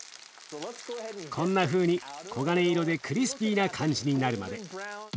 こんなふうに黄金色でクリスピーな感じになるまで。